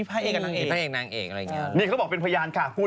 หวันนั้นสรุปคือเป็นยังไง